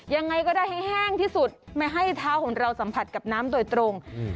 ยังไงก็ได้ให้แห้งที่สุดไม่ให้เท้าของเราสัมผัสกับน้ำโดยตรง